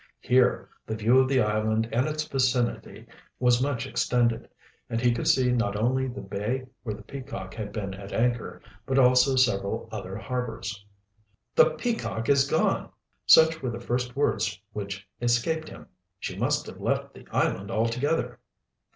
Here the view of the island and its vicinity was much extended, and he could see not only the bay where the Peacock had been at anchor, but also several other harbors. "The Peacock is gone!" Such were the first words which escaped him. "She must have left the island altogether!"